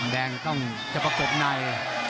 แดงต้องจะประกบใน